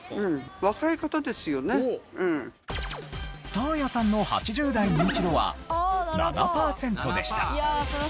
サーヤさんの８０代ニンチドは７パーセントでした。